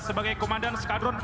bersama aris gator